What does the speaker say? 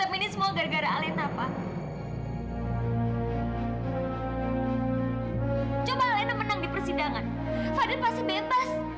coba alena menang di persidangan fadil pasti bebas